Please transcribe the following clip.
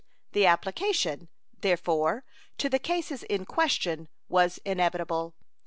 The application, therefore, to the cases in question was inevitable.